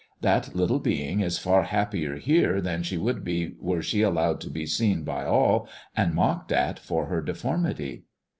That little being is far happier here than she would be were she allowed to be seen by all, and mocked at for her deformity."